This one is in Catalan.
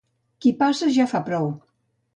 Qui passa ja fa prou.